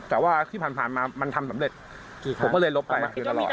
แต่ว่าที่ผ่านมามันทำสำเร็จผมก็เลยลบไปคือน้ำหลอนครับ